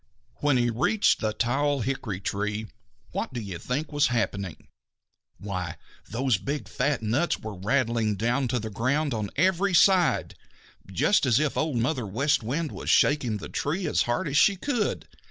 When he reached the tall hickory tree, what do you think was happening? Why, those big, fat nuts were rattling down to the ground on every side, just as if Old Mother West Wind was shaking the tree as hard as she could.